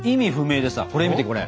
これ見てこれ！